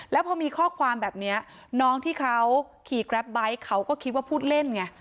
แล้วพอมีข้อความแบบนี้น้องที่เขาขี่แกรปไบท์เขาก็คิดว่าพูดเล่นไง